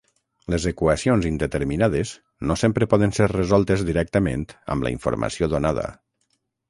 Les equacions indeterminades no sempre poden ser resoltes directament amb la informació donada.